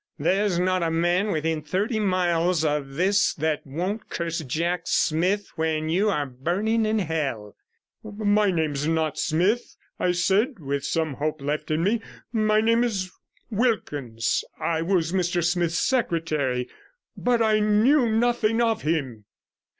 There's not a man within thirty miles of this that won't curse Jack Smith when you are burning in hell.' 'My name is not Smith,' I said, with some hope left in me. 'My name is Wilkins. I was Mr Smith's secretary, but I knew nothing of him.'